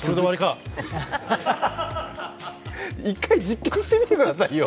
一回実験してみてくださいよ。